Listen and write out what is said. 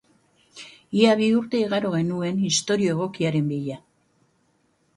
Ia bi urte igaro genuen istorio egokiaren bila.